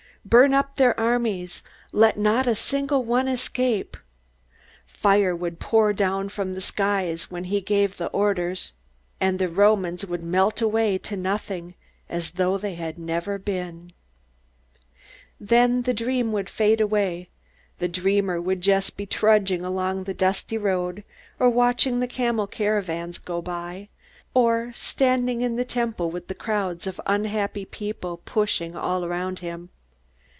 "Burn up their armies! Let not a single one escape!" Fire would pour down from the skies when he gave the order, and the Romans would melt away to nothing, as though they had never been. Then the dream would fade away. The dreamer would just be trudging along the dusty road, or watching the camel caravans go by, or standing in the Temple with the crowds of unhappy people pushing all around him.